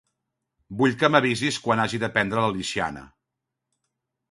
Vull que m'avisis quan hagi de prendre la Lixiana.